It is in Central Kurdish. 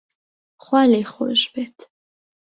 خوا لێی خۆش بێت